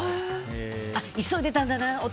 あっ、急いでたんだなお